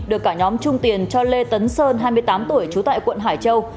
được cả nhóm trung tiền cho lê tấn sơn hai mươi tám tuổi trú tại quận hải châu